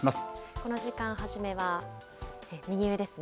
この時間、初めは右上ですね。